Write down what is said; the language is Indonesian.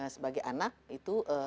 sebagai anak itu